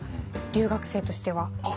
留学生としては。